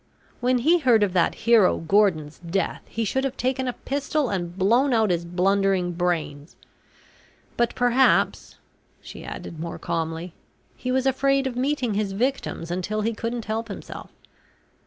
When he heard of that hero Gordon's death he should have taken a pistol and blown out his blundering brains. But perhaps," she added more calmly, "he was afraid of meeting his victims until he couldn't help himself.